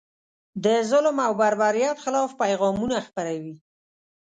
د ظلم او بربریت خلاف پیغامونه خپروي.